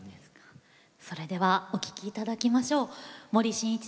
それではお聴きいただきましょう。